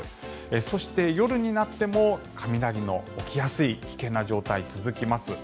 そして、夜になっても雷の起きやすい危険な状態が続きます。